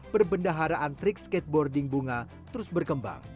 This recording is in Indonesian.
perbendaharaan trik skateboarding bunga terus berkembang